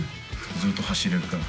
ずっと走れるから。